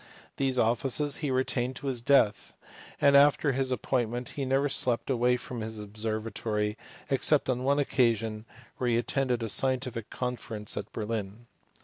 These offices he retained to his death ; and after his ap pointment he never slept away from his observatory except on one occasion when he attended a scientific congress at Berlin.